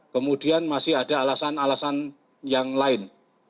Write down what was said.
kemudian masih ada alasan alasan yang lain